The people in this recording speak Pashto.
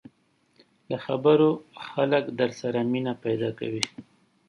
له خبرو خلک در سره مینه پیدا کوي